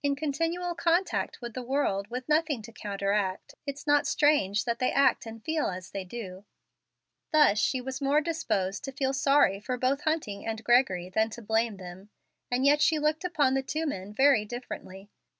"In continual contact with the world, with nothing to counteract, it's not strange that they act and feel as they do." Thus she was more disposed to feel sorry for both Hunting and Gregory than to blame them. And yet she looked upon the two men very differently.